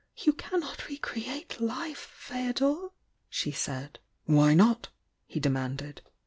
"You cannot re create life, Feodor! she said. "Why not?" he demanded.